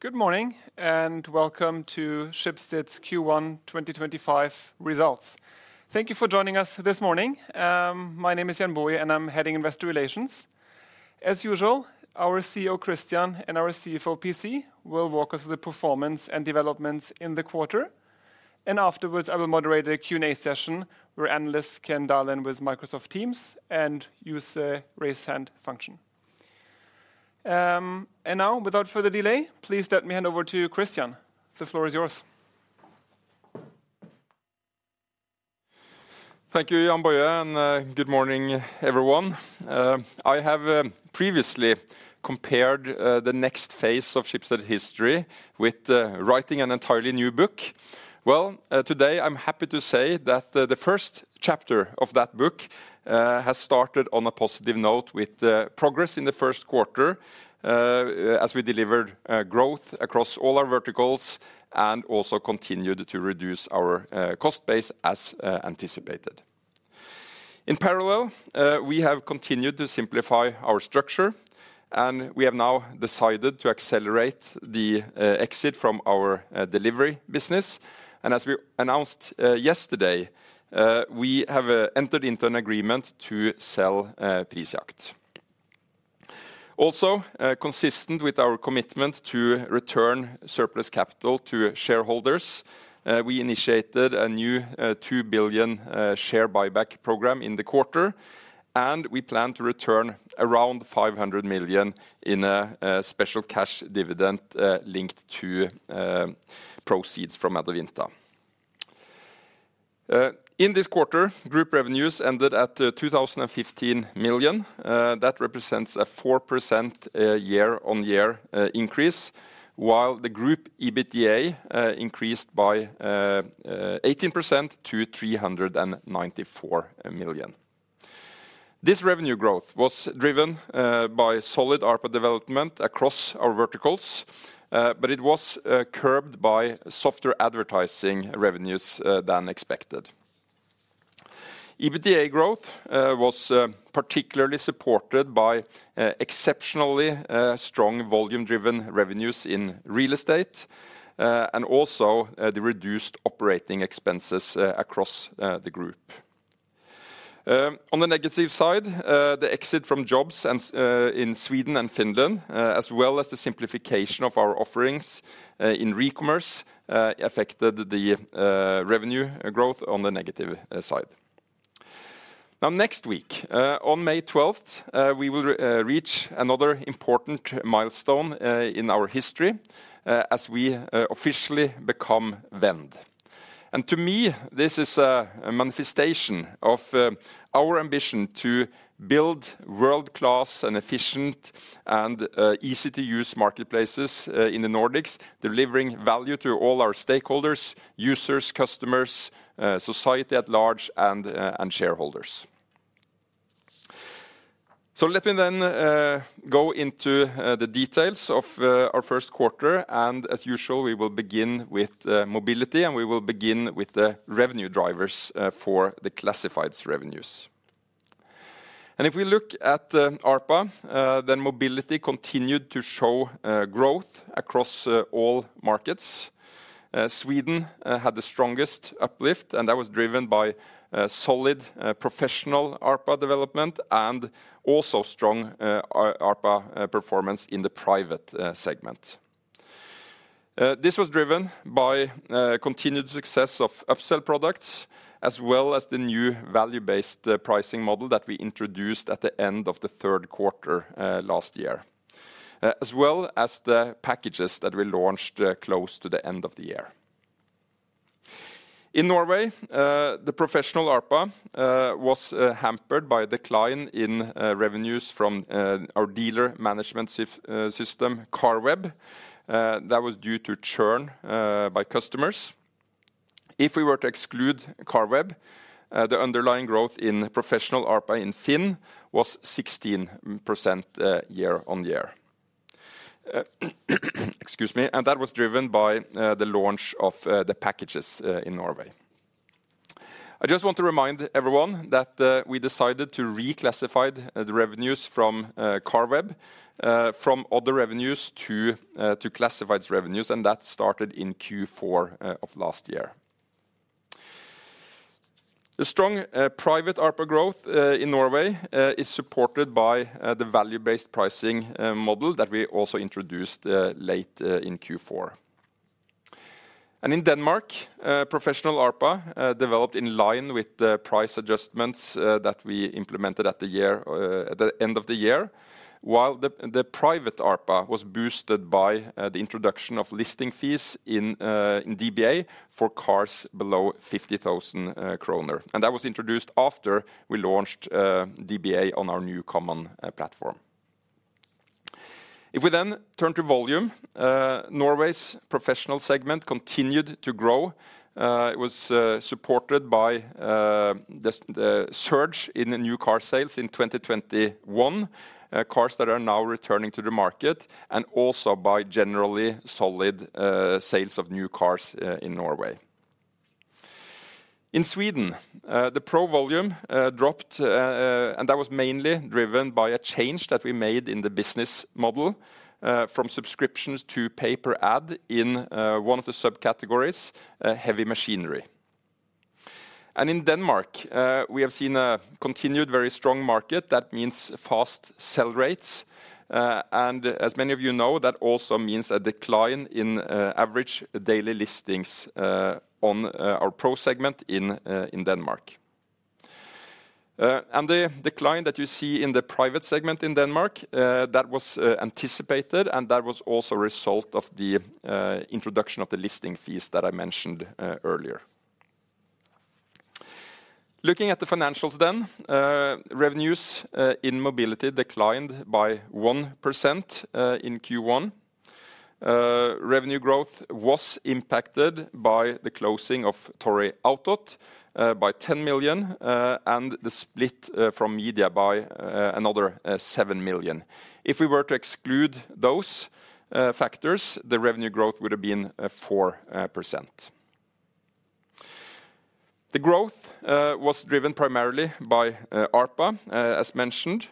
Good morning and welcome to Schibsted Q1 2025 results. Thank you for joining us this morning. My name is Jann‑Boje Meinecke, and I'm heading Investor Relations. As usual, our CEO Christian and our CFO PC will walk us through the performance and developments in the quarter. Afterwards, I will moderate a Q&A session where analysts can dial in with Microsoft Teams and use the raise hand function. Now, without further delay, please let me hand over to Christian. The floor is yours. Thank you, Jann‑Boje Meinecke, and good morning, everyone. I have previously compared the next phase of Vend's history with writing an entirely new book. Today, I'm happy to say that the first chapter of that book has started on a positive note with progress in the first quarter as we delivered growth across all our verticals and also continued to reduce our cost base as anticipated. In parallel, we have continued to simplify our structure, and we have now decided to accelerate the exit from our delivery business. As we announced yesterday, we have entered into an agreement to sell Helthjem. Also, consistent with our commitment to return surplus capital to shareholders, we initiated a new 2 billion share buyback program in the quarter, and we plan to return around 500 million in a special cash dividend linked to proceeds from Adevinta. In this quarter, group revenues ended at 2,015 million. That represents a 4% year-on-year increase, while the group EBITDA increased by 18% to 394 million. This revenue growth was driven by solid ARPA development across our verticals, but it was curbed by softer advertising revenues than expected. EBITDA growth was particularly supported by exceptionally strong volume-driven revenues in real estate and also the reduced operating expenses across the group. On the negative side, the exit from jobs in Sweden and Finland, as well as the simplification of our offerings in recommerce, affected the revenue growth on the negative side. Now, next week, on May 12th, we will reach another important milestone in our history as we officially become Vend. me, this is a manifestation of our ambition to build world-class and efficient and easy-to-use marketplaces in the Nordics, delivering value to all our stakeholders, users, customers, society at large, and shareholders. Let me then go into the details of our first quarter, and as usual, we will begin with Mobility, and we will begin with the revenue drivers for the classifieds revenues. If we look at ARPA, then Mobility continued to show growth across all markets. Sweden had the strongest uplift, and that was driven by solid professional ARPA development and also strong ARPA performance in the private segment. This was driven by continued success of upsell products, as well as the new value-based pricing model that we introduced at the end of the third quarter last year, as well as the packages that we launched close to the end of the year. In Norway, the professional ARPA was hampered by a decline in revenues from our dealer management system, CarWeb. That was due to churn by customers. If we were to exclude CarWeb, the underlying growth in professional ARPA in Finn was 16% year-on-year. Excuse me, and that was driven by the launch of the packages in Norway. I just want to remind everyone that we decided to reclassify the revenues from CarWeb from other revenues to classifieds revenues, and that started in Q4 of last year. The strong private ARPA growth in Norway is supported by the value-based pricing model that we also introduced late in Q4. In Denmark, professional ARPA developed in line with the price adjustments that we implemented at the end of the year, while the private ARPA was boosted by the introduction of listing fees in DBA for cars below 50,000 kroner. That was introduced after we launched DBA on our new common platform. If we then turn to volume, Norway's professional segment continued to grow. It was supported by the surge in new car sales in 2021, cars that are now returning to the market, and also by generally solid sales of new cars in Norway. In Sweden, the pro volume dropped, and that was mainly driven by a change that we made in the business model from subscriptions to pay per ad in one of the subcategories, heavy machinery. In Denmark, we have seen a continued very strong market. That means fast sell rates. As many of you know, that also means a decline in average daily listings on our pro segment in Denmark. The decline that you see in the private segment in Denmark was anticipated, and that was also a result of the introduction of the listing fees that I mentioned earlier. Looking at the financials then, revenues in Mobility declined by 1% in Q1. Revenue growth was impacted by the closing of Tory Auto by 10 million and the split from Media by another 7 million. If we were to exclude those factors, the revenue growth would have been 4%. The growth was driven primarily by ARPA, as mentioned.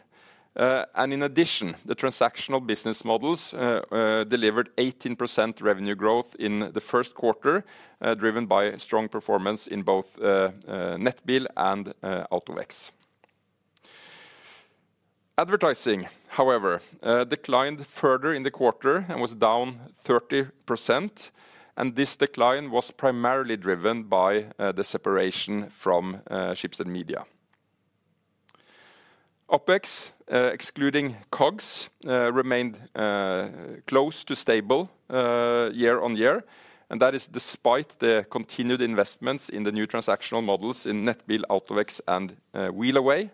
In addition, the transactional business models delivered 18% revenue growth in the first quarter, driven by strong performance in both Nettobil and AutoX. Advertising, however, declined further in the quarter and was down 30%. This decline was primarily driven by the separation from Schibsted Media. OPEX, excluding COGS, remained close to stable year-on-year. That is despite the continued investments in the new transactional models in Nettobil, AutoX, and Wheel Away.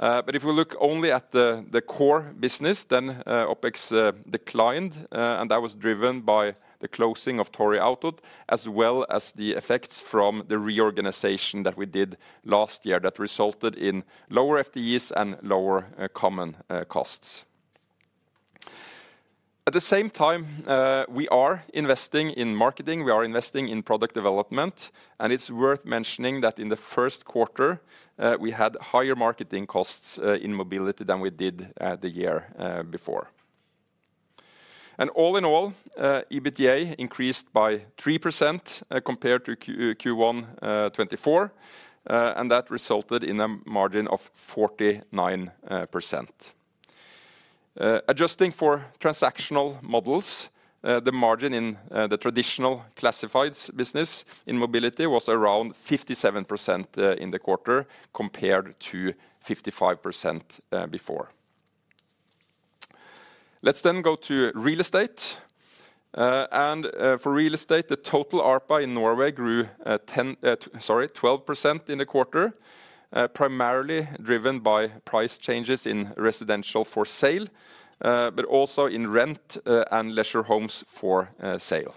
If we look only at the core business, then OPEX declined, and that was driven by the closing of Torget AutoX, as well as the effects from the reorganization that we did last year that resulted in lower FTEs and lower common costs. At the same time, we are investing in marketing. We are investing in product development. It is worth mentioning that in the first quarter, we had higher marketing costs in Mobility than we did the year before. All in all, EBITDA increased by 3% compared to Q1 2024, and that resulted in a margin of 49%. Adjusting for transactional models, the margin in the traditional classifieds business in Mobility was around 57% in the quarter compared to 55% before. Let's go to Real Estate. For real estate, the total ARPA in Norway grew 12% in the quarter, primarily driven by price changes in residential for sale, but also in rent and leisure homes for sale.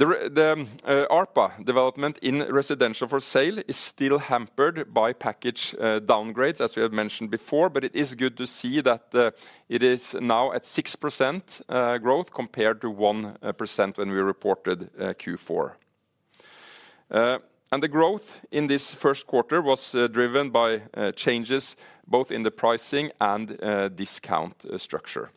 The ARPA development in residential for sale is still hampered by package downgrades, as we have mentioned before, but it is good to see that it is now at 6% growth compared to 1% when we reported Q4. The growth in this first quarter was driven by changes both in the pricing and discount structure.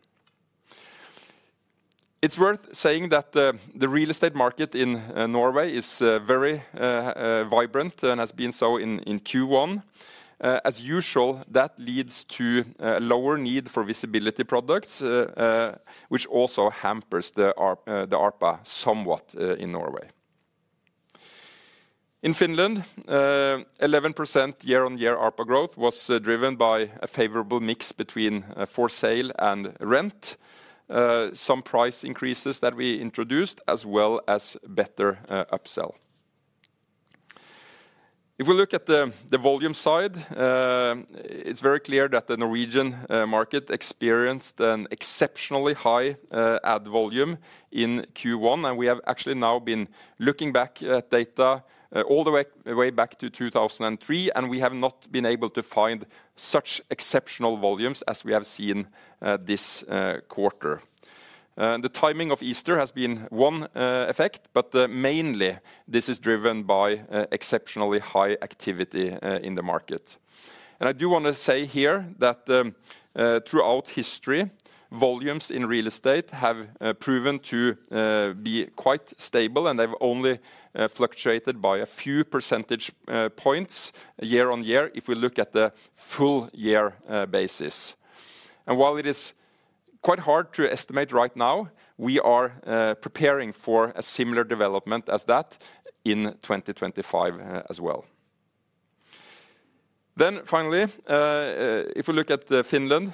It is worth saying that the real estate market in Norway is very vibrant and has been so in Q1. As usual, that leads to a lower need for visibility products, which also hampers the ARPA somewhat in Norway. In Finland, 11% year-on-year ARPA growth was driven by a favorable mix between for sale and rent, some price increases that we introduced, as well as better upsell. If we look at the volume side, it's very clear that the Norwegian market experienced an exceptionally high ad volume in Q1. We have actually now been looking back at data all the way back to 2003, and we have not been able to find such exceptional volumes as we have seen this quarter. The timing of Easter has been one effect, but mainly this is driven by exceptionally high activity in the market. I do want to say here that throughout history, volumes in real estate have proven to be quite stable, and they've only fluctuated by a few percentage points year-on-year if we look at the full year basis. While it is quite hard to estimate right now, we are preparing for a similar development as that in 2025 as well. Finally, if we look at Finland,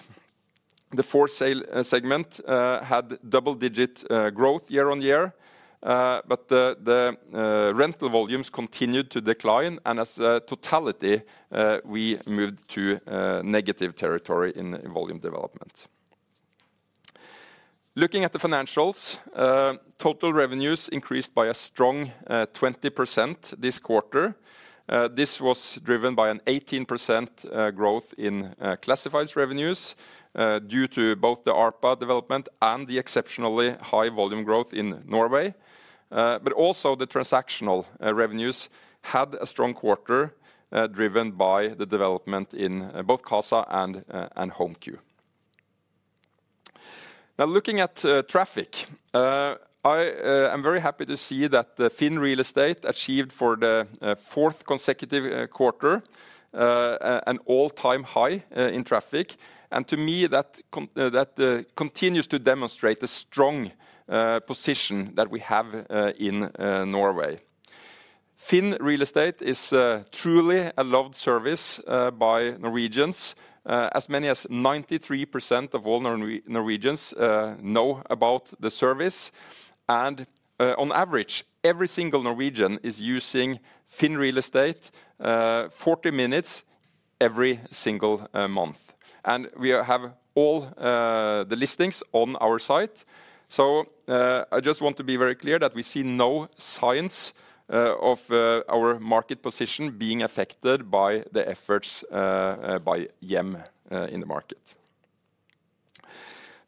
the for sale segment had double-digit growth year-on-year, but the rental volumes continued to decline, and as a totality, we moved to negative territory in volume development. Looking at the financials, total revenues increased by a strong 20% this quarter. This was driven by an 18% growth in classifieds revenues due to both the ARPA development and the exceptionally high volume growth in Norway, but also the transactional revenues had a strong quarter driven by the development in both Casa and HomeQ. Now, looking at traffic, I am very happy to see that the Finn real estate achieved for the fourth consecutive quarter an all-time high in traffic. To me, that continues to demonstrate the strong position that we have in Norway. Finn Real Estate is truly a loved service by Norwegians. As many as 93% of all Norwegians know about the service. On average, every single Norwegian is using Finn Real Estate 40 minutes every single month. We have all the listings on our site. I just want to be very clear that we see no signs of our market position being affected by the efforts by Hjem in the market.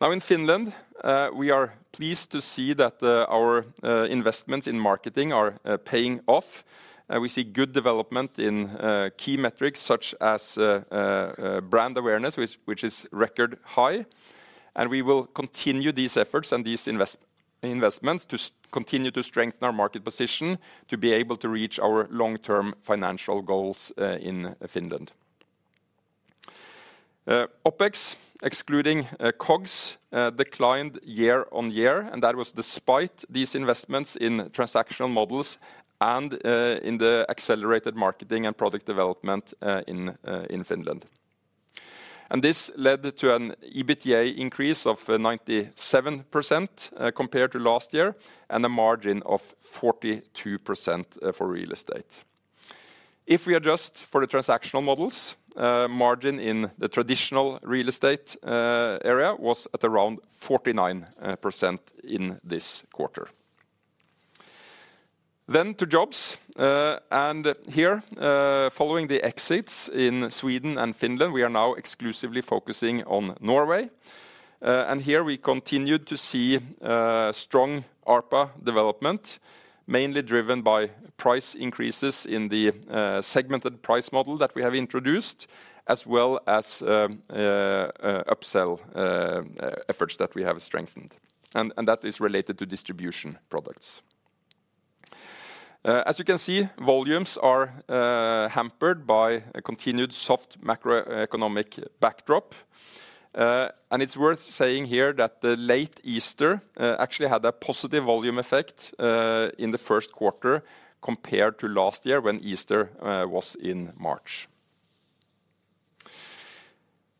In Finland, we are pleased to see that our investments in marketing are paying off. We see good development in key metrics such as brand awareness, which is record high. We will continue these efforts and these investments to continue to strengthen our market position to be able to reach our long-term financial goals in Finland. OPEX, excluding COGS, declined year-on-year, and that was despite these investments in transactional models and in the accelerated marketing and product development in Finland. This led to an EBITDA increase of 97% compared to last year and a margin of 42% for real estate. If we adjust for the transactional models, margin in the traditional real estate area was at around 49% in this quarter. To jobs. Here, following the exits in Sweden and Finland, we are now exclusively focusing on Norway. Here we continued to see strong ARPA development, mainly driven by price increases in the segmented price model that we have introduced, as well as upsell efforts that we have strengthened. That is related to distribution products. As you can see, volumes are hampered by a continued soft macroeconomic backdrop. It is worth saying here that the late Easter actually had a positive volume effect in the first quarter compared to last year when Easter was in March.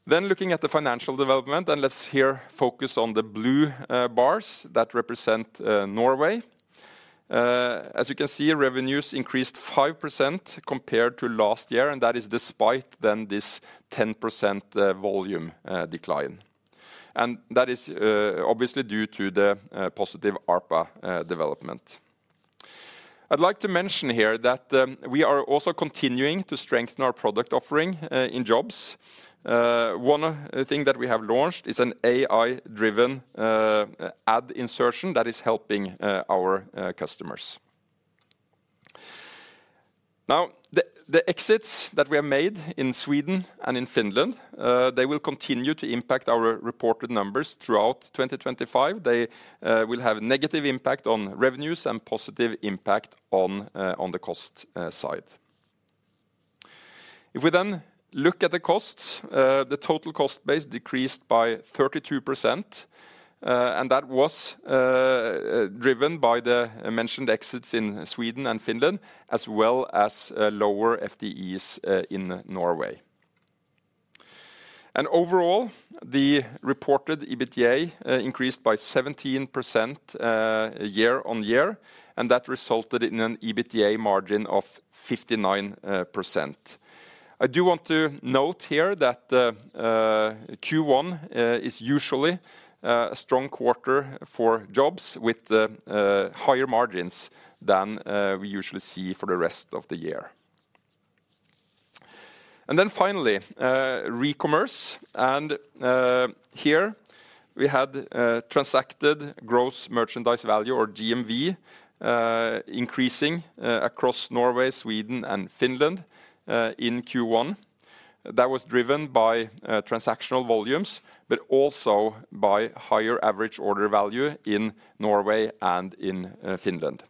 Looking at the financial development, and let's here focus on the blue bars that represent Norway. As you can see, revenues increased 5% compared to last year, and that is despite this 10% volume decline. That is obviously due to the positive ARPA development. I'd like to mention here that we are also continuing to strengthen our product offering in jobs. One thing that we have launched is an AI-driven ad insertion that is helping our customers. The exits that we have made in Sweden and in Finland will continue to impact our reported numbers throughout 2025. They will have a negative impact on revenues and positive impact on the cost side. If we then look at the costs, the total cost base decreased by 32%. That was driven by the mentioned exits in Sweden and Finland, as well as lower FTEs in Norway. Overall, the reported EBITDA increased by 17% year-on-year, and that resulted in an EBITDA margin of 59%. I do want to note here that Q1 is usually a strong quarter for jobs with higher margins than we usually see for the rest of the year. Finally, recommerce. Here we had transacted gross merchandise value, or GMV, increasing across Norway, Sweden, and Finland in Q1. That was driven by transactional volumes, but also by higher average order value in Norway and in Finland.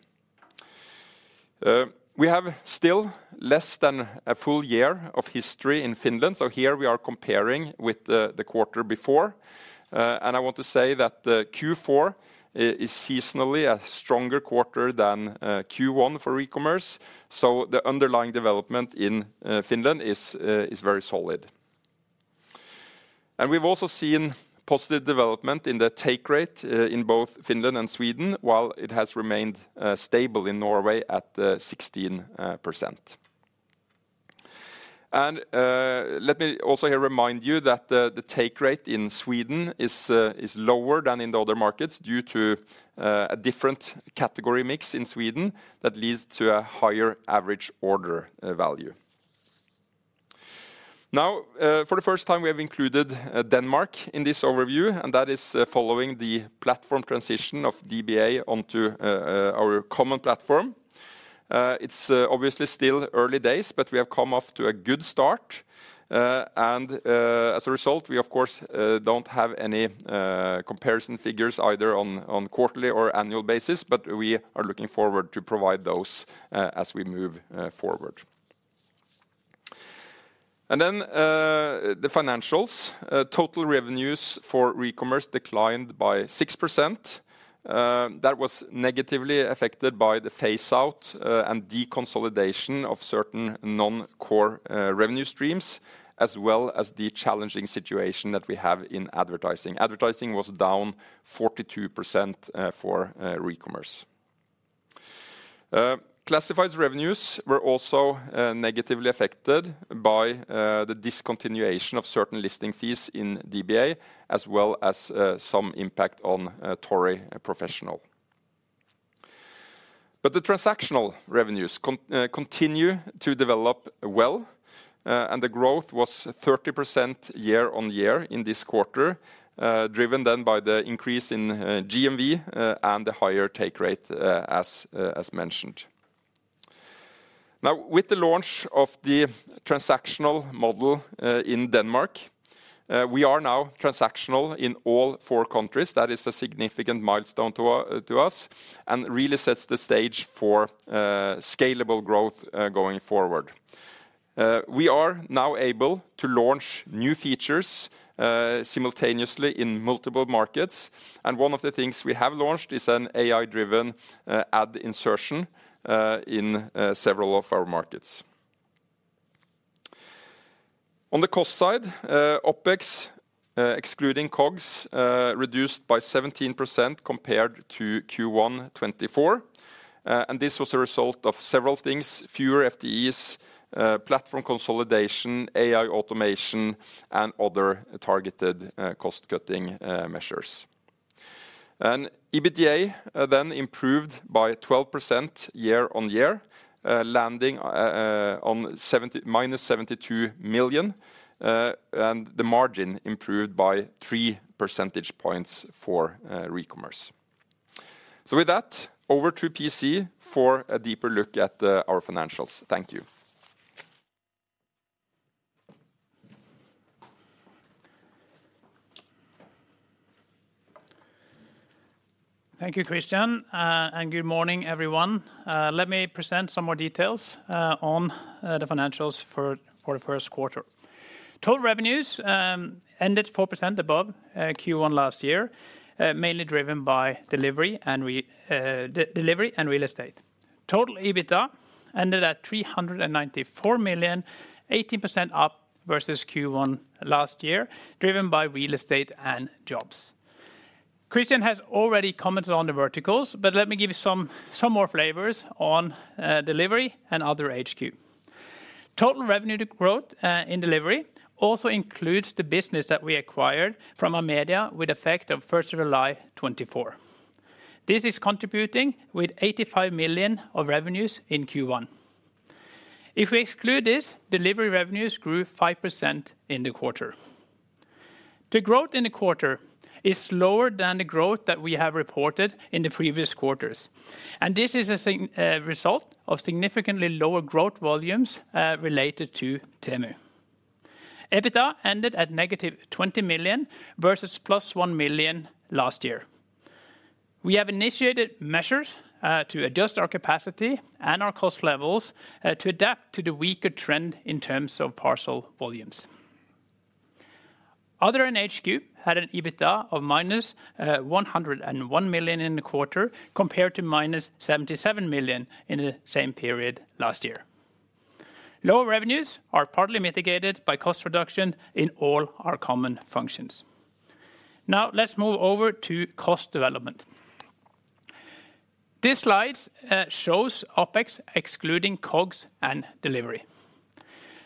We have still less than a full year of history in Finland. Here we are comparing with the quarter before. Q4 is seasonally a stronger quarter than Q1 for recommerce. The underlying development in Finland is very solid. We have also seen positive development in the take rate in both Finland and Sweden, while it has remained stable in Norway at 16%. Let me also here remind you that the take rate in Sweden is lower than in the other markets due to a different category mix in Sweden that leads to a higher average order value. For the first time, we have included Denmark in this overview, and that is following the platform transition of DBA onto our common platform. It is obviously still early days, but we have come off to a good start. As a result, we, of course, do not have any comparison figures either on quarterly or annual basis, but we are looking forward to provide those as we move forward. The financials, total revenues for recommerce declined by 6%. That was negatively affected by the phase-out and deconsolidation of certain non-core revenue streams, as well as the challenging situation that we have in advertising. Advertising was down 42% for recommerce. Classifieds revenues were also negatively affected by the discontinuation of certain listing fees in DBA, as well as some impact on Tory Professional. The transactional revenues continue to develop well, and the growth was 30% year-on-year in this quarter, driven by the increase in GMV and the higher take rate, as mentioned. With the launch of the transactional model in Denmark, we are now transactional in all four countries. That is a significant milestone to us and really sets the stage for scalable growth going forward. We are now able to launch new features simultaneously in multiple markets. One of the things we have launched is an AI-driven ad insertion in several of our markets. On the cost side, OPEX, excluding COGS, reduced by 17% compared to Q1 2024. This was a result of several things: fewer FTEs, platform consolidation, AI automation, and other targeted cost-cutting measures. EBITDA then improved by 12% year-on-year, landing on minus 72 million, and the margin improved by 3 percentage points for recommerce. With that, over to PC for a deeper look at our financials. Thank you. Thank you, Christian, and good morning, everyone. Let me present some more details on the financials for the first quarter. Total revenues ended 4% above Q1 last year, mainly driven by delivery and real estate. Total EBITDA ended at 394 million, 18% up versus Q1 last year, driven by real estate and jobs. Christian has already commented on the verticals, but let me give you some more flavors on delivery and other HQ. Total revenue growth in delivery also includes the business that we acquired from Amedia with effect on 1 July 2024. This is contributing with 85 million of revenues in Q1. If we exclude this, delivery revenues grew 5% in the quarter. The growth in the quarter is lower than the growth that we have reported in the previous quarters. This is a result of significantly lower growth volumes related to Temu. EBITDA ended at negative 20 million versus plus 1 million last year. We have initiated measures to adjust our capacity and our cost levels to adapt to the weaker trend in terms of parcel volumes. Other NHQ had an EBITDA of minus 101 million in the quarter compared to minus 77 million in the same period last year. Lower revenues are partly mitigated by cost reduction in all our common functions. Now, let's move over to cost development. This slide shows OPEX excluding COGS and delivery.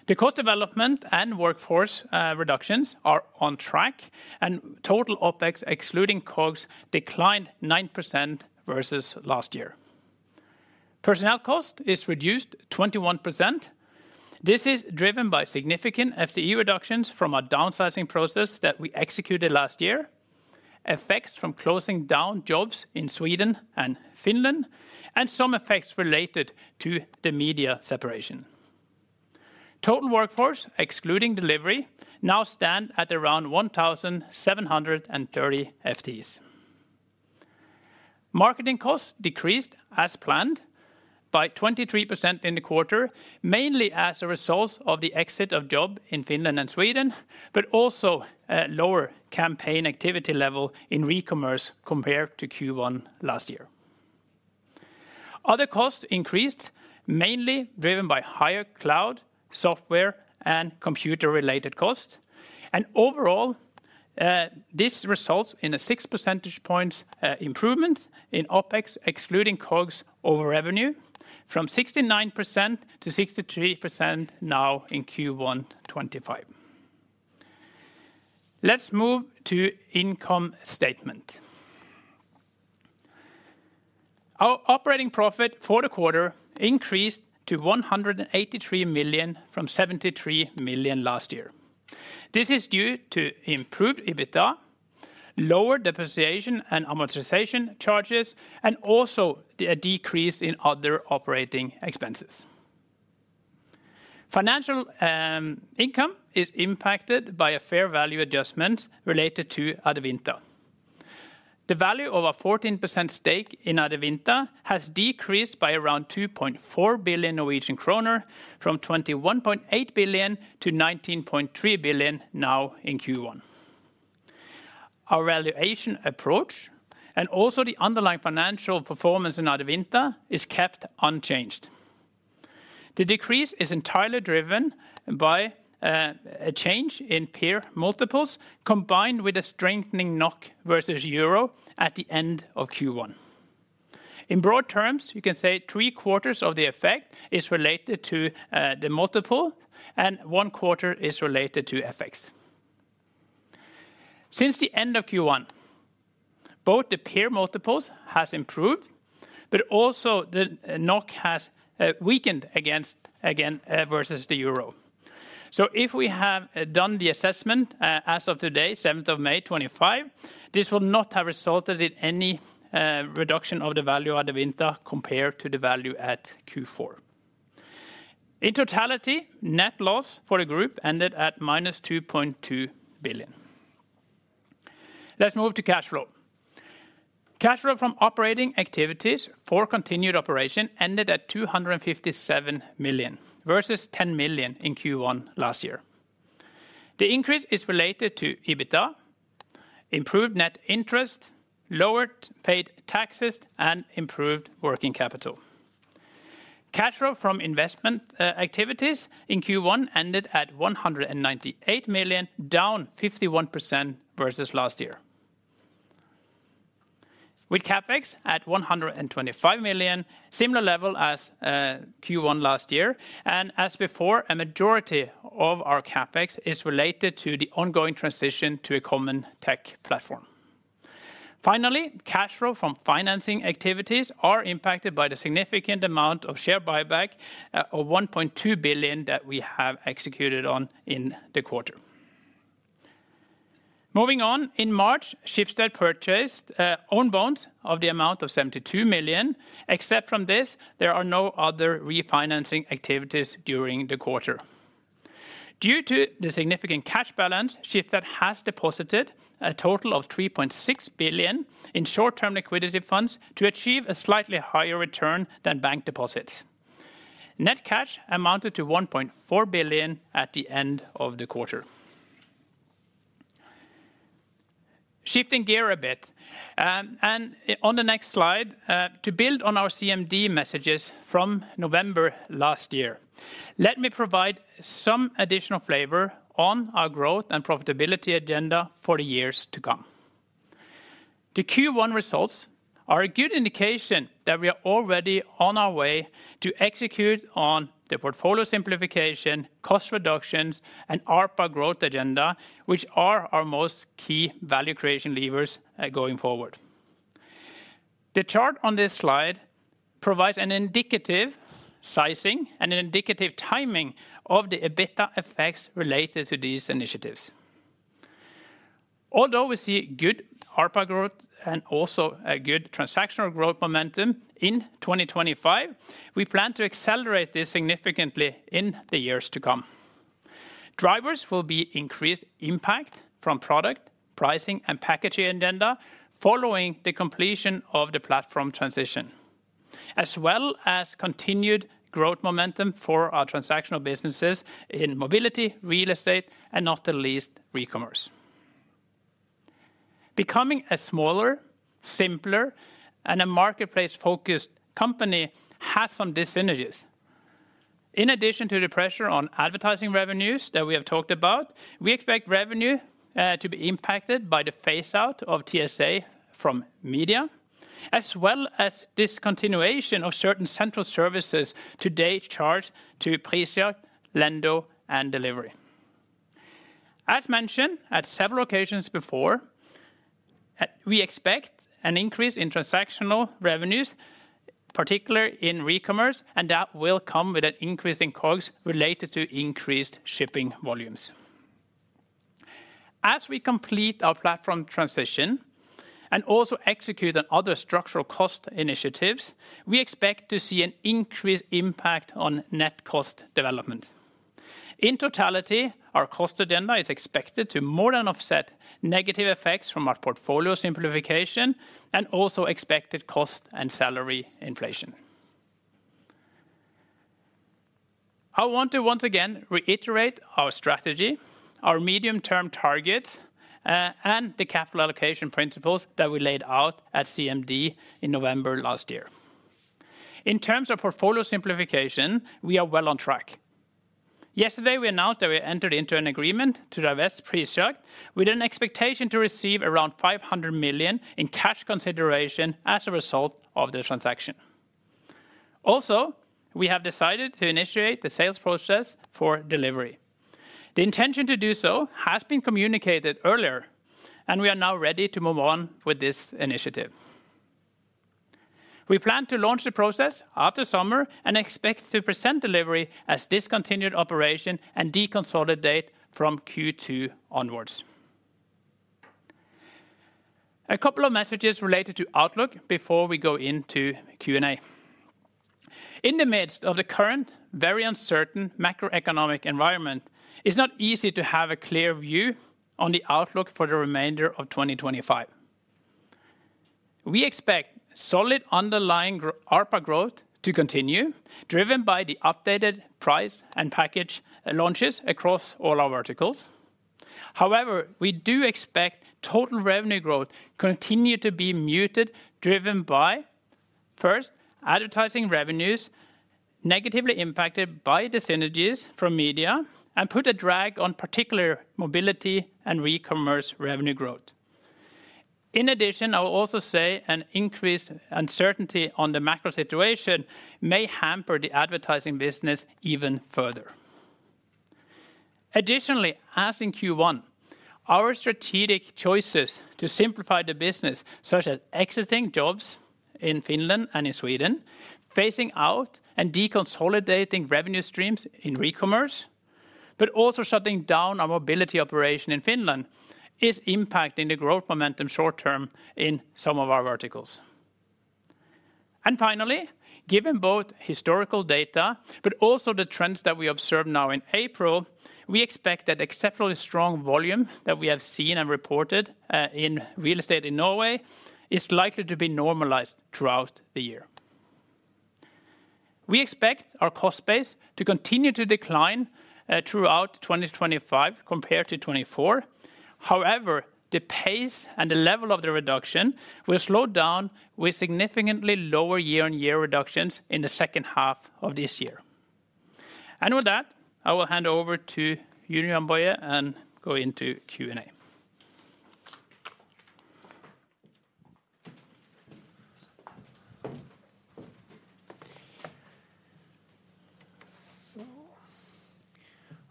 The cost development and workforce reductions are on track, and total OPEX excluding COGS declined 9% versus last year. Personnel cost is reduced 21%. This is driven by significant FTE reductions from a downsizing process that we executed last year, effects from closing down Jobs in Sweden and Finland, and some effects related to the media separation. Total workforce excluding delivery now stands at around 1,730 FTEs. Marketing costs decreased as planned by 23% in the quarter, mainly as a result of the exit of Jobs in Finland and Sweden, but also a lower campaign activity level in Recommerce compared to Q1 last year. Other costs increased, mainly driven by higher cloud, software, and computer-related costs. Overall, this results in a 6 percentage points improvement in OPEX excluding COGS over revenue, from 69% to 63% now in Q1 2025. Let's move to Income Statement. Our Operating Profit for the quarter increased to 183 million from 73 million last year. This is due to improved EBITDA, lower depreciation and amortization charges, and also a decrease in other operating expenses. Financial income is impacted by a fair value adjustment related to Adevinta. The value of a 14% stake in Adevinta has decreased by around 2.4 billion Norwegian kroner, from 21.8 billion to 19.3 billion now in Q1. Our valuation approach and also the underlying financial performance in Adevinta is kept unchanged. The decrease is entirely driven by a change in peer multiples, combined with a strengthening NOK versus EUR at the end of Q1. In broad terms, you can say three quarters of the effect is related to the multiple, and one quarter is related to FX. Since the end of Q1, both the peer multiples have improved, but also the NOK has weakened again versus the EUR. If we have done the assessment as of today, 7th of May 2025, this will not have resulted in any reduction of the value at Adevinta compared to the value at Q4. In totality, net loss for the group ended at minus 2.2 billion. Let's move to Cash flow. Cash flow from operating activities for continued operation ended at 257 million versus 10 million in Q1 last year. The increase is related to EBITDA, improved net interest, lowered paid taxes, and improved working capital. Cash flow from investment activities in Q1 ended at 198 million, down 51% versus last year. With CapEx at 125 million, similar level as Q1 last year. As before, a majority of our CapEx is related to the ongoing transition to a common tech platform. Finally, Cash flow from financing activities is impacted by the significant amount of share buyback of 1.2 billion that we have executed on in the quarter. Moving on, in March, Schibsted purchased own bonds of the amount of 72 million. Except from this, there are no other refinancing activities during the quarter. Due to the significant cash balance, Schibsted has deposited a total of 3.6 billion in short-term liquidity funds to achieve a slightly higher return than bank deposits. Net cash amounted to 1.4 billion at the end of the quarter. Shifting gear a bit, and on the next slide, to build on our CMD messages from November last year, let me provide some additional flavor on our growth and profitability agenda for the years to come. The Q1 results are a good indication that we are already on our way to execute on the portfolio simplification, cost reductions, and ARPA growth agenda, which are our most key value creation levers going forward. The chart on this slide provides an indicative sizing and an indicative timing of the EBITDA effects related to these initiatives. Although we see good ARPA growth and also a good transactional growth momentum in 2025, we plan to accelerate this significantly in the years to come. Drivers will be increased impact from product pricing and packaging agenda following the completion of the platform transition, as well as continued growth momentum for our transactional businesses in Mobility, Real Estate, and not the least, Recommerce. Becoming a smaller, simpler, and a marketplace-focused company has some disinitiatives. In addition to the pressure on advertising revenues that we have talked about, we expect revenue to be impacted by the phase-out of TSA from media, as well as discontinuation of certain central services to date charged to Prisjakt, Lendo, and Delivery. As mentioned at several occasions before, we expect an increase in transactional revenues, particularly in Recommerce, and that will come with an increase in COGS related to increased shipping volumes. As we complete our platform transition and also execute on other structural cost initiatives, we expect to see an increased impact on net cost development. In totality, our cost agenda is expected to more than offset negative effects from our portfolio simplification and also expected cost and salary inflation. I want to once again reiterate our strategy, our medium-term targets, and the capital allocation principles that we laid out at CMD in November last year. In terms of portfolio simplification, we are well on track. Yesterday, we announced that we entered into an agreement to divest Precell with an expectation to receive around 500 million in cash consideration as a result of the transaction. Also, we have decided to initiate the sales process for delivery. The intention to do so has been communicated earlier, and we are now ready to move on with this initiative. We plan to launch the process after summer and expect to present delivery as discontinued operation and deconsolidate from Q2 onwards. A couple of messages related to outlook before we go into Q&A. In the midst of the current very uncertain macroeconomic environment, it's not easy to have a clear view on the outlook for the remainder of 2025. We expect solid underlying ARPA growth to continue, driven by the updated price and package launches across all our verticals. However, we do expect total revenue growth to continue to be muted, driven by, first, advertising revenues negatively impacted by the synergies from media and put a drag on particular Mobility and Recommerce revenue growth. In addition, I will also say an increased uncertainty on the macro situation may hamper the advertising business even further. Additionally, as in Q1, our strategic choices to simplify the business, such as exiting jobs in Finland and in Sweden, phasing out and deconsolidating revenue streams in recommerce, but also shutting down our mobility operation in Finland, is impacting the growth momentum short-term in some of our verticals. Finally, given both historical data, but also the trends that we observed now in April, we expect that exceptionally strong volume that we have seen and reported in real estate in Norway is likely to be normalized throughout the year. We expect our cost base to continue to decline throughout 2025 compared to 2024. However, the pace and the level of the reduction will slow down with significantly lower year-on-year reductions in the second half of this year. With that, I will hand over to Jann‑Boje Meinecke and go into Q&A.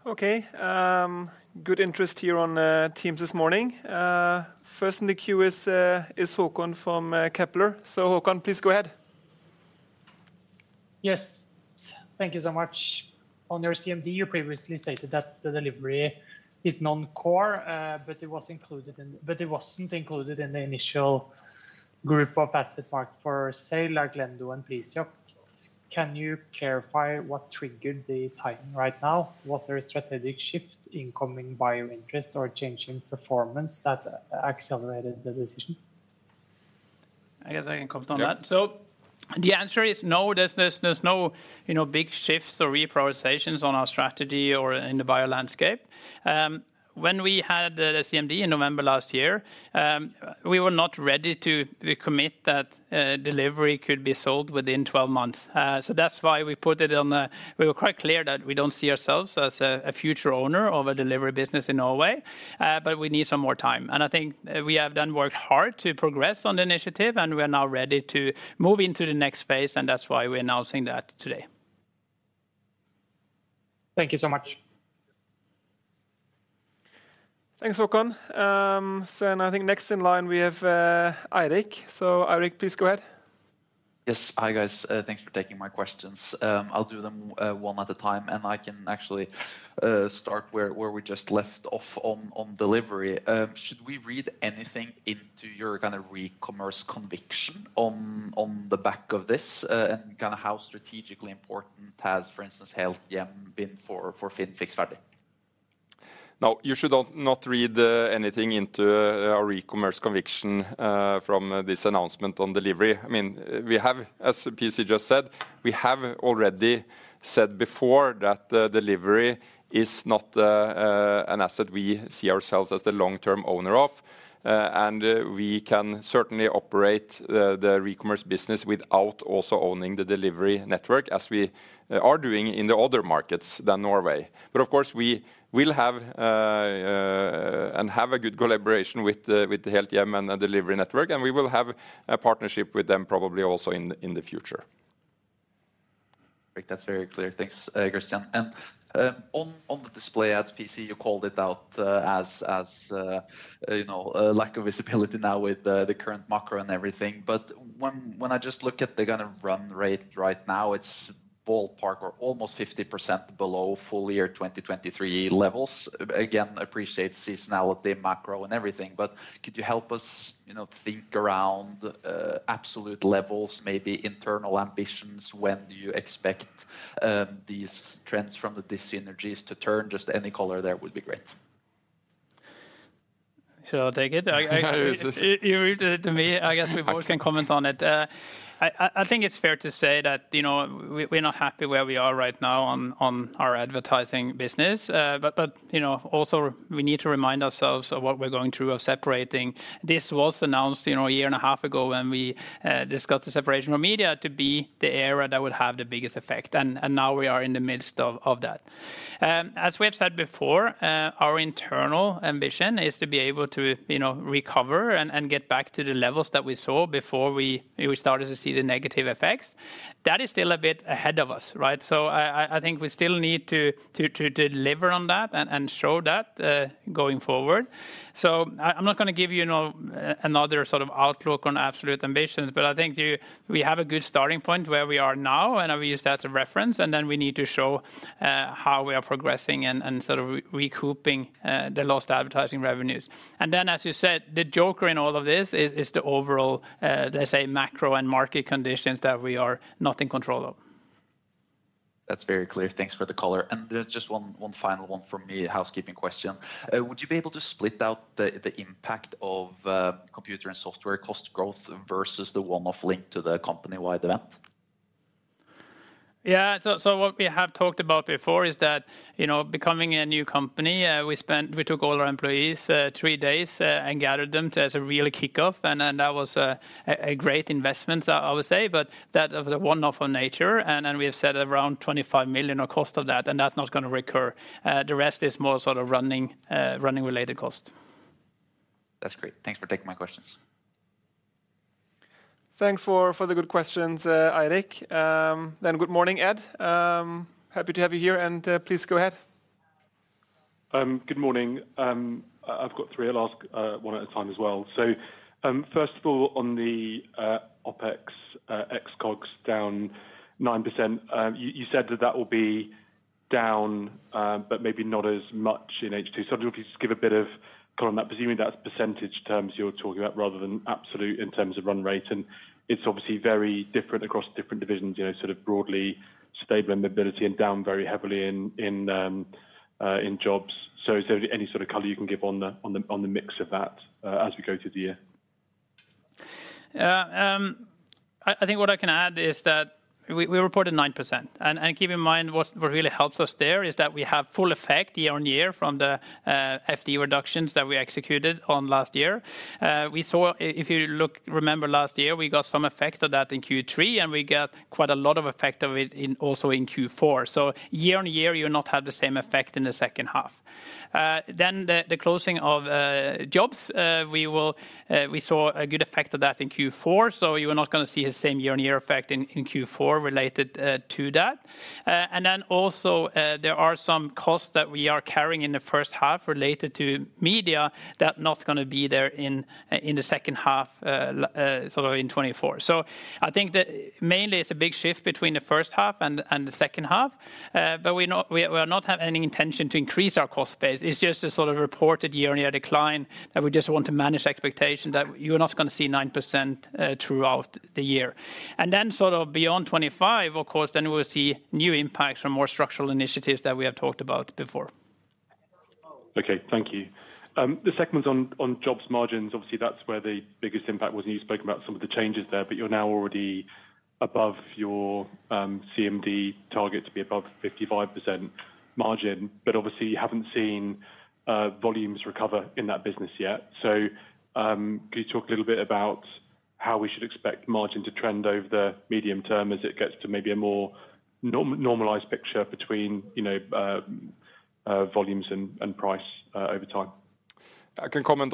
Okay, good interest here on Teams this morning. First in the queue is Håkon from Kepler. Håkon, please go ahead. Yes, thank you so much. On your CMD, you previously stated that the delivery is non-core, but it was not included in the initial group of assets marked for sale, like Lendo and Prisjakt. Can you clarify what triggered the tightening right now? Was there a strategic shift, incoming buy interest, or changing performance that accelerated the decision? I guess I can comment on that. The answer is no. There are no big shifts or reprioritizations on our strategy or in the buy landscape. When we had the CMD in November last year, we were not ready to commit that delivery could be sold within 12 months. That is why we put it on the... We were quite clear that we do not see ourselves as a future owner of a delivery business in Norway, but we need some more time. I think we have worked hard to progress on the initiative, and we are now ready to move into the next phase, and that is why we are announcing that today. Thank you so much. Thanks, Håkon. I think next in line, we have Eirik. Eirik, please go ahead. Yes, hi guys. Thanks for taking my questions. I will do them one at a time, and I can actually start where we just left off on delivery. Should we read anything into your kind of recommerce conviction on the back of this and kind of how strategically important has, for instance, Helthjem been for Finn Fixferdig? No, you should not read anything into our recommerce conviction from this announcement on delivery.I mean, as PC just said, we have already said before that delivery is not an asset we see ourselves as the long-term owner of, and we can certainly operate the recommerce business without also owning the delivery network, as we are doing in the other markets than Norway. Of course, we will have and have a good collaboration with Helthjem and the delivery network, and we will have a partnership with them probably also in the future. That is very clear. Thanks, Christian. On the display ads, PC, you called it out as lack of visibility now with the current macro and everything. When I just look at the kind of run rate right now, it is ballpark or almost 50% below full year 2023 levels. Again, appreciate seasonality, macro, and everything. Could you help us think around absolute levels, maybe internal ambitions when you expect these trends from the synergies to turn? Just any color there would be great. Should I take it? You read it to me. I guess we both can comment on it. I think it is fair to say that we are not happy where we are right now on our advertising business. Also, we need to remind ourselves of what we are going through of separating. This was announced a year and a half ago when we discussed the separation from media to be the area that would have the biggest effect. Now we are in the midst of that. As we have said before, our internal ambition is to be able to recover and get back to the levels that we saw before we started to see the negative effects. That is still a bit ahead of us, right? I think we still need to deliver on that and show that going forward. I'm not going to give you another sort of outlook on absolute ambitions, but I think we have a good starting point where we are now, and we use that as a reference. We need to show how we are progressing and sort of recouping the lost advertising revenues. As you said, the joker in all of this is the overall, let's say, macro and market conditions that we are not in control of. That's very clear. Thanks for the color. There's just one final one for me, a housekeeping question. Would you be able to split out the impact of computer and software cost growth versus the one-off linked to the company-wide event? Yeah, so what we have talked about before is that becoming a new company, we took all our employees three days and gathered them as a real kickoff. That was a great investment, I would say, but that was a one-off of nature. We have set around 25 million of cost of that, and that's not going to recur. The rest is more sort of running-related cost. That's great. Thanks for taking my questions. Thanks for the good questions, Eirik. Good morning, Ed. Happy to have you here, and please go ahead. Good morning. I've got three. I'll ask one at a time as well. First of all, on the OPEX, excluding COGS, down 9%. You said that that will be down, but maybe not as much in H2. I don't know if you just give a bit of color on that. Presumably, that's percentage terms you're talking about rather than absolute in terms of run rate. It is obviously very different across different divisions, sort of broadly stable in Mobility and down very heavily in Jobs. Is there any sort of color you can give on the mix of that as we go through the year? I think what I can add is that we reported 9%. Keep in mind, what really helps us there is that we have full effect year on year from the FTE reductions that we executed on last year. If you remember last year, we got some effect of that in Q3, and we got quite a lot of effect of it also in Q4. Year on year, you'll not have the same effect in the second half. The closing of Jobs, we saw a good effect of that in Q4. You are not going to see the same year-on-year effect in Q4 related to that. There are also some costs that we are carrying in the first half related to media that are not going to be there in the second half, sort of in 2024. I think that mainly it's a big shift between the first half and the second half. We will not have any intention to increase our cost base. It's just a sort of reported year-on-year decline that we just want to manage expectation that you are not going to see 9% throughout the year. Beyond 2025, of course, we will see new impacts from more structural initiatives that we have talked about before. Okay, thank you. The segments on jobs margins, obviously that's where the biggest impact was. You spoke about some of the changes there, but you're now already above your CMD target to be above 55% margin. Obviously, you haven't seen volumes recover in that business yet. Could you talk a little bit about how we should expect margin to trend over the medium term as it gets to maybe a more normalized picture between volumes and price over time? I can comment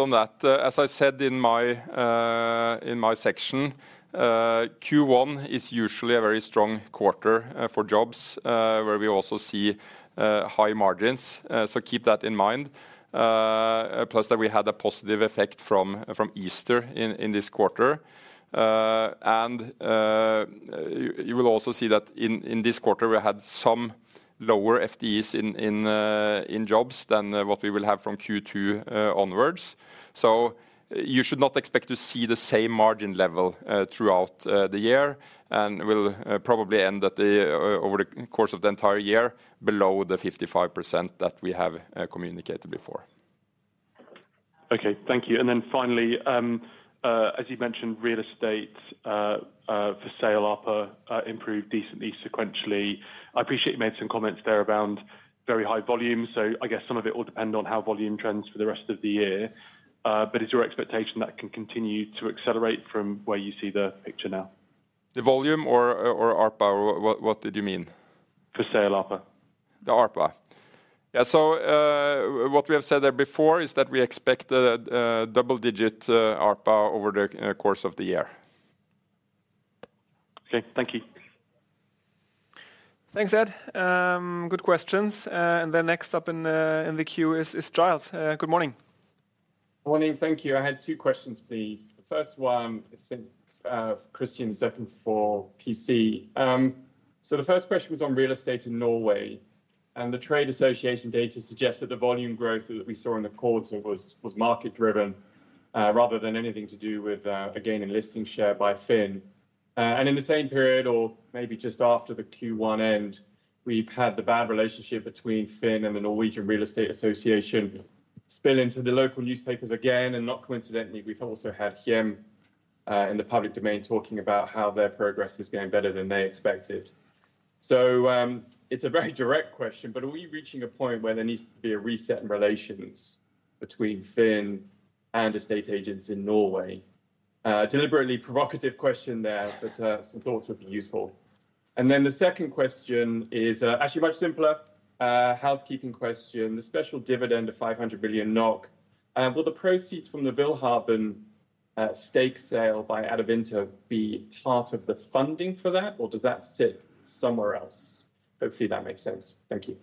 on that. As I said in my section, Q1 is usually a very strong quarter for jobs where we also see high margins. Keep that in mind. Plus, we had a positive effect from Easter in this quarter. You will also see that in this quarter, we had some lower FTEs in jobs than what we will have from Q2 onwards. You should not expect to see the same margin level throughout the year and will probably end over the course of the entire year below the 55% that we have communicated before. Okay, thank you. Finally, as you mentioned, real estate for sale, ARPA improved decently sequentially. I appreciate you made some comments there around very high volume. I guess some of it will depend on how volume trends for the rest of the year. Is your expectation that can continue to accelerate from where you see the picture now? The volume or ARPA? What did you mean? For sale, ARPA. The ARPA. What we have said there before is that we expect a double-digit ARPA over the course of the year. Okay, thank you. Thanks, Ed. Good questions. Next up in the queue is Giles. Good morning. Good morning. Thank you. I had two questions, please. The first one, I think Christian, for PC. The first question was on real estate in Norway. The trade association data suggests that the volume growth that we saw in the quarter was market-driven rather than anything to do with, again, enlisting share by Finn. In the same period, or maybe just after the Q1 end, we have had the bad relationship between Finn and the Norwegian Real Estate Association spill into the local newspapers again. Not coincidentally, we have also had Hjem in the public domain talking about how their progress is going better than they expected. It is a very direct question, but are we reaching a point where there needs to be a reset in relations between Finn and estate agents in Norway? Deliberately provocative question there, but some thoughts would be useful. Then the second question is actually much simpler, housekeeping question. The special dividend of 500 million NOK. Will the proceeds from the Vilharden stake sale by Adevinta be part of the funding for that, or does that sit somewhere else? Hopefully, that makes sense. Thank you.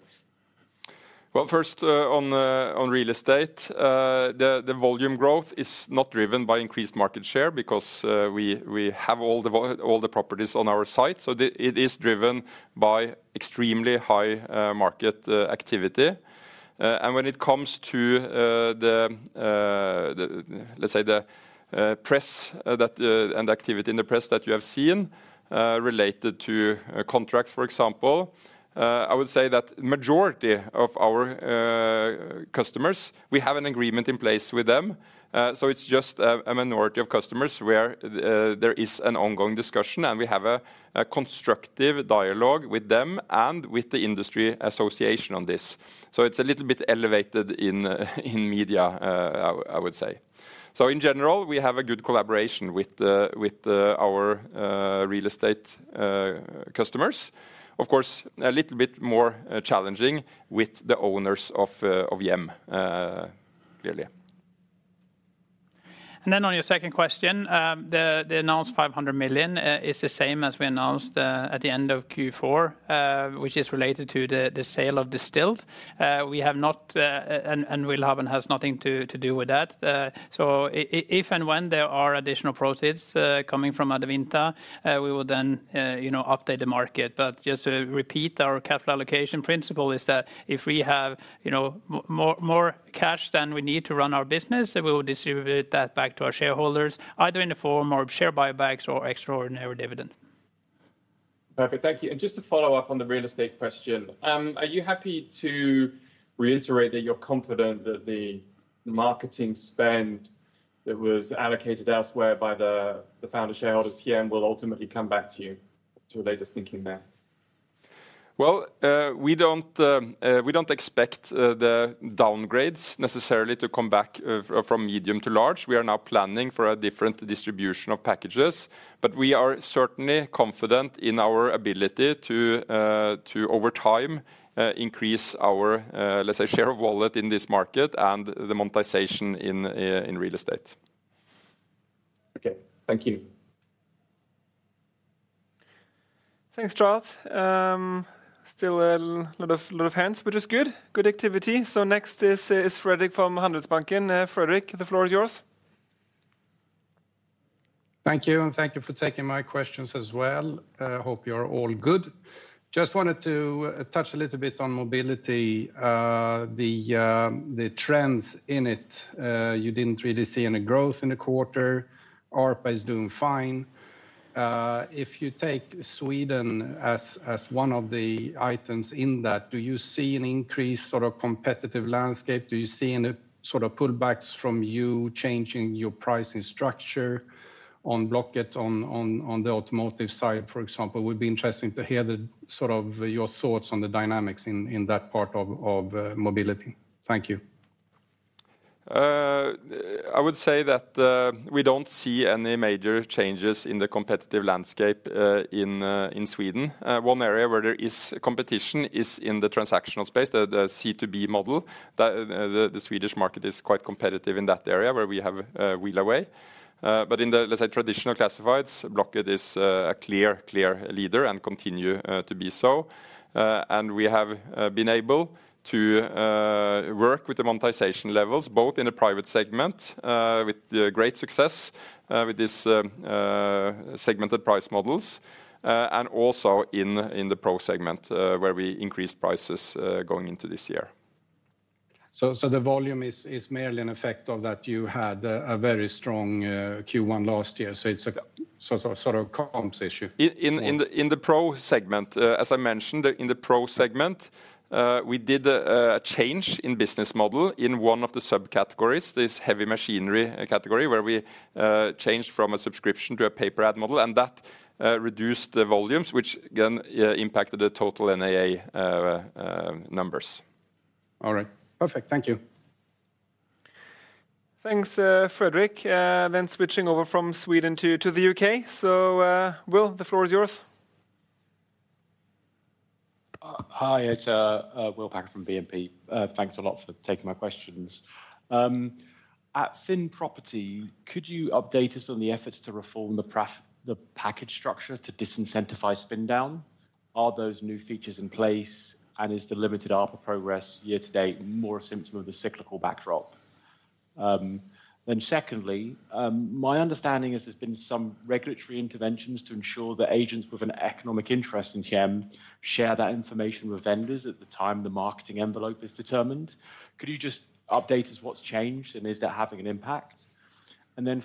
First on real estate, the volume growth is not driven by increased market share because we have all the properties on our site. It is driven by extremely high market activity. When it comes to the, let's say, the press and activity in the press that you have seen related to contracts, for example, I would say that the majority of our customers, we have an agreement in place with them. It is just a minority of customers where there is an ongoing discussion, and we have a constructive dialogue with them and with the industry association on this. It is a little bit elevated in media, I would say. In general, we have a good collaboration with our real estate customers. Of course, it is a little bit more challenging with the owners of Hjem, clearly. On your second question, the announced 500 million is the same as we announced at the end of Q4, which is related to the sale of Distilled. We have not, and Vilharden has nothing to do with that. If and when there are additional proceeds coming from Adevinta, we will then update the market. Just to repeat, our capital allocation principle is that if we have more cash than we need to run our business, we will distribute that back to our shareholders, either in the form of share buybacks or extraordinary dividend. Perfect. Thank you. Just to follow up on the real estate question, are you happy to reiterate that you're confident that the marketing spend that was allocated elsewhere by the founder shareholders here will ultimately come back to you, any later thinking there? We do not expect the downgrades necessarily to come back from medium to large. We are now planning for a different distribution of packages, but we are certainly confident in our ability to, over time, increase our, let's say, share of wallet in this market and the monetization in real estate. Okay, thank you. Thanks, Charles. Still a lot of hands, which is good. Good activity. Next is Fredrik from Handelsbanken. Fredrik, the floor is yours. Thank you. And thank you for taking my questions as well. I hope you are all good. Just wanted to touch a little bit on mobility. The trends in it, you did not really see any growth in the quarter. ARPA is doing fine. If you take Sweden as one of the items in that, do you see an increased sort of competitive landscape? Do you see any sort of pullbacks from you changing your pricing structure on Blocket on the automotive side, for example? It would be interesting to hear sort of your thoughts on the dynamics in that part of Mobility. Thank you. I would say that we do not see any major changes in the competitive landscape in Sweden. One area where there is competition is in the transactional space, the C2B model. The Swedish market is quite competitive in that area where we have Wheel Away. In the, let's say, traditional classifieds, Blocket is a clear, clear leader and continues to be so. We have been able to work with the monetization levels, both in the private segment with great success with these segmented price models, and also in the pro segment where we increased prices going into this year. The volume is merely an effect of that you had a very strong Q1 last year. It is a sort of comps issue. In the pro segment, as I mentioned, in the pro segment, we did a change in business model in one of the subcategories, this heavy machinery category, where we changed from a subscription to a pay-per-ad model. That reduced the volumes, which then impacted the total NAA numbers. All right. Perfect. Thank you. Thanks, Fredrik. Switching over from Sweden to the U.K. Will, the floor is yours. Hi, Ed. Will Packer from BNP. Thanks a lot for taking my questions. At Finn Property, could you update us on the efforts to reform the package structure to disincentivize spin down? Are those new features in place? Is the limited ARPA progress year to date more a symptom of the cyclical backdrop? My understanding is there have been some regulatory interventions to ensure that agents with an economic interest in Hjem share that information with vendors at the time the marketing envelope is determined. Could you update us on what's changed and is that having an impact? In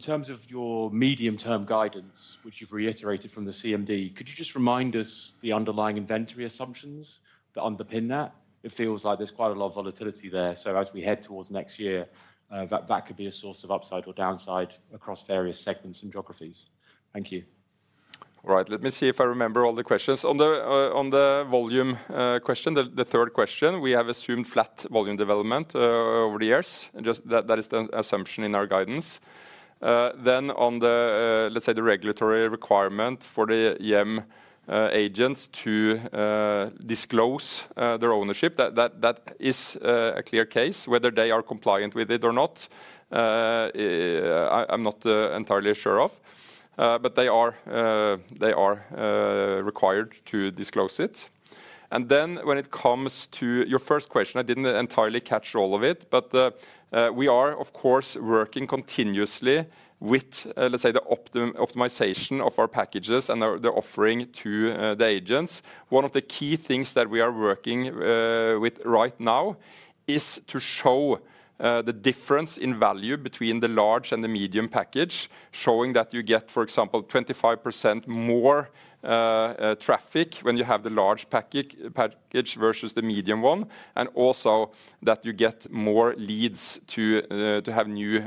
terms of your medium-term guidance, which you've reiterated from the CMD, could you remind us of the underlying inventory assumptions that underpin that? It feels like there's quite a lot of volatility there. As we head towards next year, that could be a source of upside or downside across various segments and geographies. Thank you. All right. Let me see if I remember all the questions. On the volume question, the third question, we have assumed flat volume development over the years. That is the assumption in our guidance. On the regulatory requirement for the YEM agents to disclose their ownership, that is a clear case. Whether they are compliant with it or not, I'm not entirely sure of. They are required to disclose it. When it comes to your first question, I didn't entirely catch all of it, but we are, of course, working continuously with the optimization of our packages and the offering to the agents. One of the key things that we are working with right now is to show the difference in value between the large and the medium package, showing that you get, for example, 25% more traffic when you have the large package versus the medium one, and also that you get more leads to have new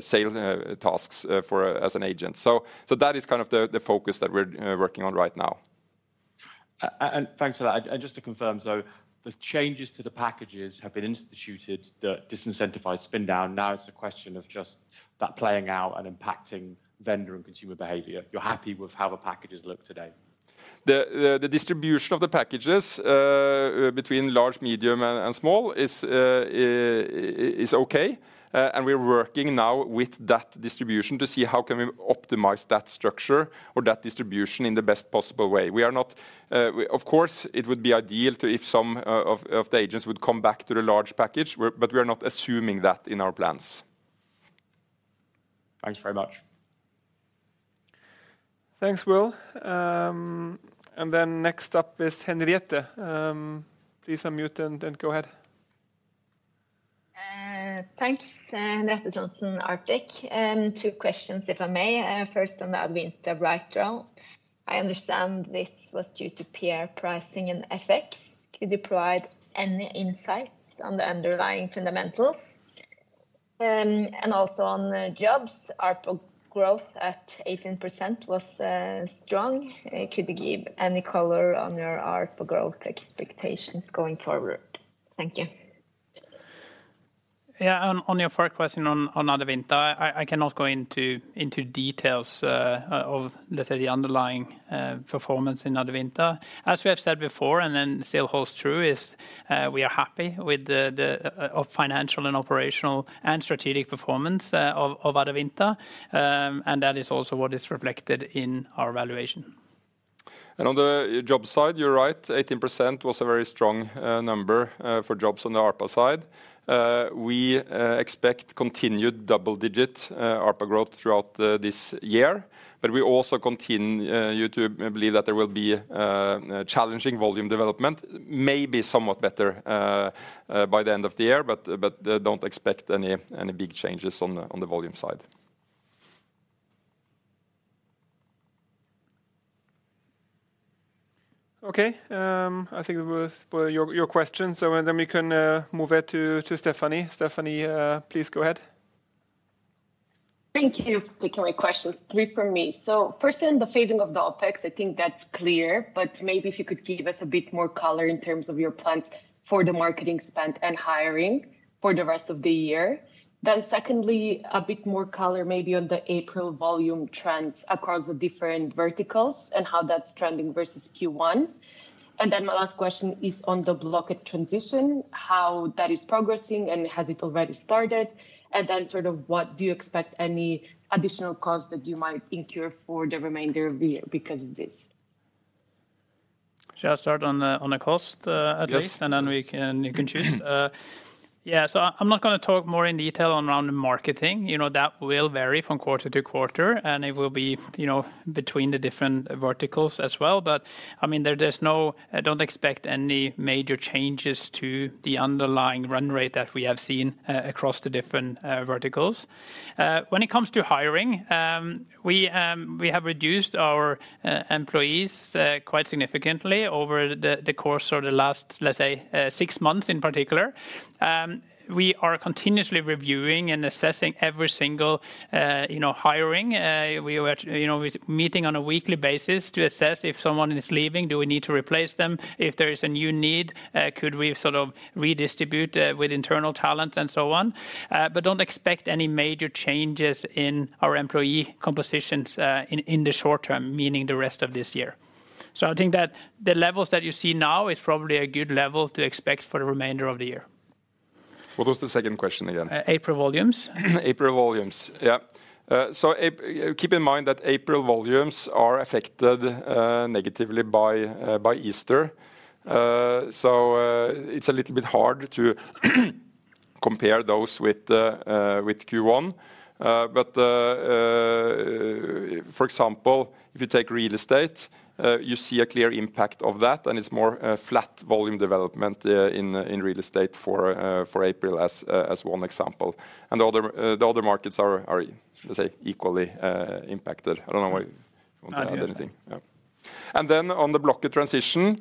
sale tasks as an agent. That is kind of the focus that we're working on right now. Thanks for that. Just to confirm, the changes to the packages have been instituted that disincentify spin down. Now it's a question of just that playing out and impacting vendor and consumer behavior. You're happy with how the packages look today? The distribution of the packages between large, medium, and small is okay. We're working now with that distribution to see how can we optimize that structure or that distribution in the best possible way. Of course, it would be ideal if some of the agents would come back to the large package, but we are not assuming that in our plans. Thanks very much. Thanks, Will. Next up is Henriette. Please unmute and go ahead. Thanks, Henriette Thomsen-Ardvik. Two questions, if I may. First on the Adevinta buyout. I understand this was due to peer pricing and FX. Could you provide any insights on the underlying fundamentals? Also on Jobs, ARPA growth at 18% was strong. Could you give any color on your ARPA growth expectations going forward? Thank you. Yeah, on your first question on Adevinta, I cannot go into details of, let's say, the underlying performance in Adevinta.As we have said before, and that still holds true, we are happy with the financial and operational and strategic performance of Adevinta. That is also what is reflected in our valuation. On the jobs side, you're right, 18% was a very strong number for jobs on the ARPA side. We expect continued double-digit ARPA growth throughout this year. We also continue to believe that there will be challenging volume development, maybe somewhat better by the end of the year, but do not expect any big changes on the volume side. Okay, I think that was your question. We can move to Stephanie. Stephanie, please go ahead. Thank you for the great questions. Three for me. Firstly, in the phasing of the OPEX, I think that's clear, but maybe if you could give us a bit more color in terms of your plans for the marketing spend and hiring for the rest of the year. Secondly, a bit more color maybe on the April volume trends across the different verticals and how that's trending versus Q1. My last question is on the Blocket transition, how that is progressing and has it already started? What do you expect any additional costs that you might incur for the remainder of the year because of this? Shall I start on the cost at least? You can choose. I'm not going to talk more in detail around marketing. That will vary from quarter to quarter, and it will be between the different verticals as well. I mean, I don't expect any major changes to the underlying run rate that we have seen across the different verticals. When it comes to hiring, we have reduced our employees quite significantly over the course of the last, let's say, six months in particular. We are continuously reviewing and assessing every single hiring. We were meeting on a weekly basis to assess if someone is leaving, do we need to replace them? If there is a new need, could we sort of redistribute with internal talent and so on? Don't expect any major changes in our employee compositions in the short term, meaning the rest of this year. I think that the levels that you see now is probably a good level to expect for the remainder of the year. What was the second question again? April volumes. April volumes, yeah .Keep in mind that April volumes are affected negatively by Easter. It is a little bit hard to compare those with Q1. For example, if you take real estate, you see a clear impact of that, and it is more flat volume development in real estate for April as one example. The other markets are, let's say, equally impacted. I do not know if I want to add anything. On the Blocket transition,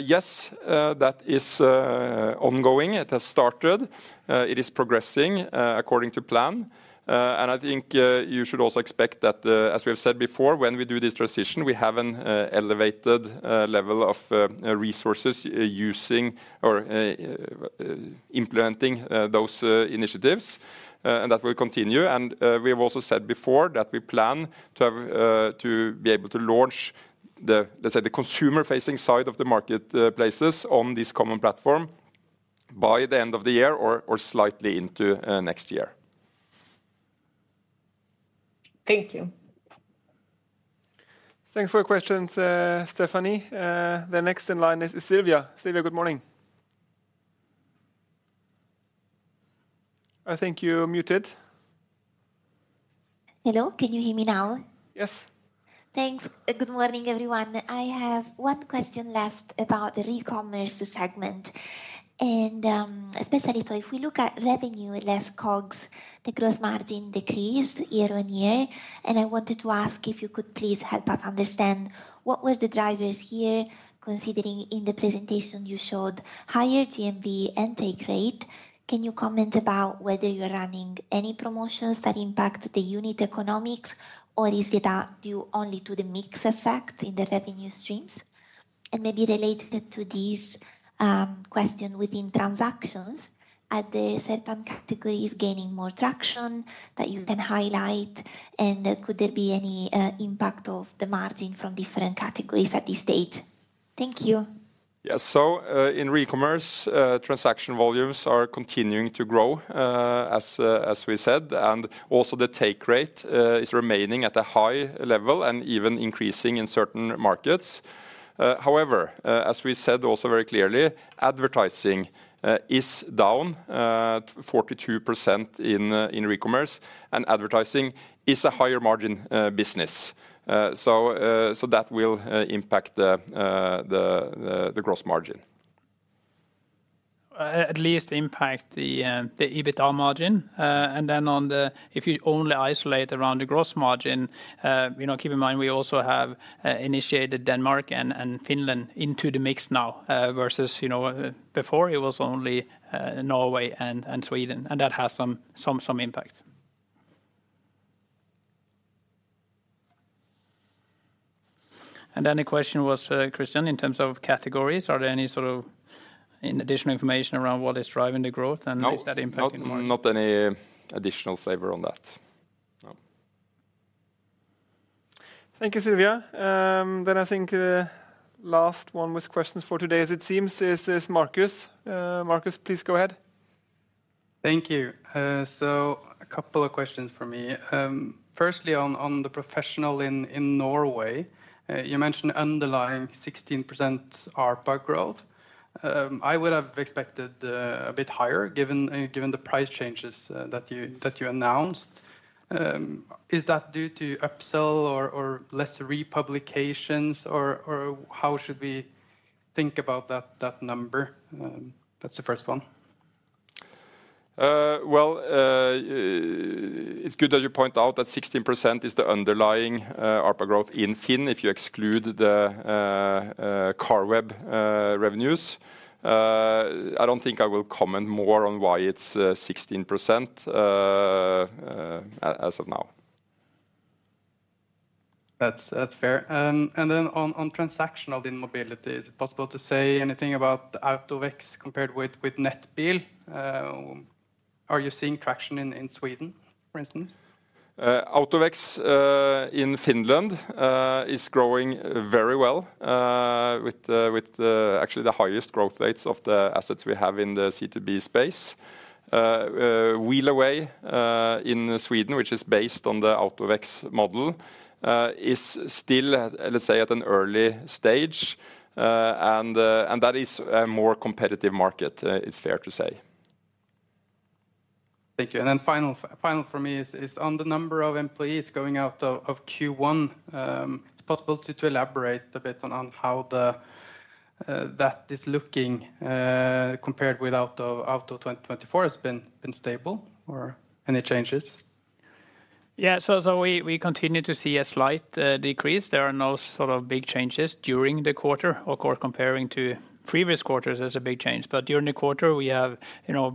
yes, that is ongoing. It has started. It is progressing according to plan. I think you should also expect that, as we have said before, when we do this transition, we have an elevated level of resources using or implementing those initiatives. That will continue. We have also said before that we plan to be able to launch, let's say, the consumer-facing side of the marketplaces on this common platform by the end of the year or slightly into next year. Thank you. Thanks for your questions, Stephanie. The next in line is Sylvia. Sylvia, good morning. I think you're muted. Hello, can you hear me now? Yes. Thanks. Good morning, everyone. I have one question left about the E-commerce segment. Especially if we look at revenue, less COGS, the gross margin decreased year on year. I wanted to ask if you could please help us understand what were the drivers here, considering in the presentation you showed higher GMV and take rate. Can you comment about whether you're running any promotions that impact the unit economics, or is it due only to the mix effect in the revenue streams? Maybe related to this question within transactions, are there certain categories gaining more traction that you can highlight? Could there be any impact of the margin from different categories at this stage? Thank you. Yeah, in re-commerce, transaction volumes are continuing to grow, as we said. Also, the take rate is remaining at a high level and even increasing in certain markets. However, as we said also very clearly, advertising is down 42% in re-commerce, and advertising is a higher margin business. That will impact the Gross Margin, at least impact the EBITDA margin. If you only isolate around the Gross Margin, keep in mind we also have initiated Denmark and Finland into the mix now versus before it was only Norway and Sweden. That has some impact. The question was, Christian, in terms of categories, are there any sort of additional information around what is driving the growth and is that impacting the margin? Not any additional flavor on that. No. Thank you, Sylvia. I think the last one with questions for today, as it seems, is Marcus. Marcus, please go ahead. Thank you. A couple of questions for me. Firstly, on the professional in Norway, you mentioned underlying 16% ARPA growth. I would have expected a bit higher given the price changes that you announced. Is that due to upsell or less republications, or how should we think about that number? That is the first one. It is good that you point out that 16% is the underlying ARPA growth in Finn if you exclude the CarWeb revenues. I do not think I will comment more on why it is 16% as of now. That's fair. Then on transactional in Mobility, is it possible to say anything about AutoVex compared with Nettobil? Are you seeing traction in Sweden, for instance? AutoVex in Finland is growing very well, with actually the highest growth rates of the assets we have in the C2B space. Wheel Away in Sweden, which is based on the AutoVex model, is still, let's say, at an early stage. That is a more competitive market, it's fair to say. Thank you. Then final for me is on the number of employees going out of Q1. Is it possible to elaborate a bit on how that is looking compared with Auto2024, has it been stable or any changes? Yeah, we continue to see a slight decrease. There are no sort of big changes during the quarter. Of course, comparing to previous quarters is a big change. During the quarter,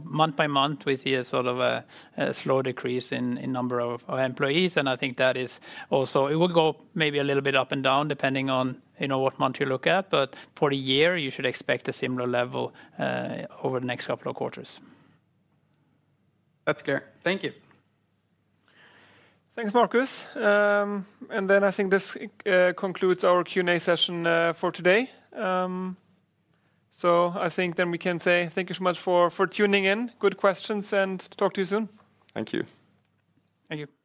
month by month, we see a sort of a slow decrease in the number of employees. I think that is also, it will go maybe a little bit up and down depending on what month you look at. For the year, you should expect a similar level over the next couple of quarters. That's clear. Thank you. Thanks, Marcus. I think this concludes our Q&A session for today. I think then we can say thank you so much for tuning in. Good questions and talk to you soon. Thank you. Thank you.